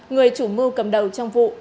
người chủ mưu cầm đầu trong vụ